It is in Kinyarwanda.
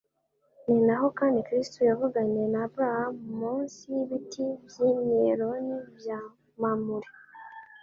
Ni naho kandi Kristo yavuganiye n'Aburahamu munsi y'ibiti by'Imyeloni bya Mamure;